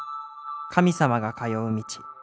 神様が通う路。